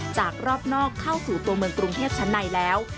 จากรอบนอกเข้าสู่ตัวเมืองกรุงเทพชั้นในแล้ว